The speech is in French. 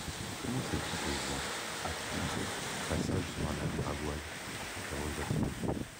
Comment sais-tu que Jean a pris passage sur un navire à voiles ? interrogea-t-il.